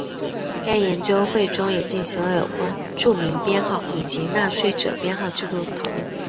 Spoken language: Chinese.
该研究会中也进行了有关住民编号以及纳税者编号制度的讨论。